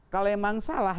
kalau memang salah